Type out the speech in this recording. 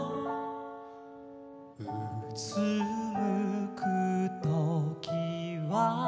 「うつむくときは」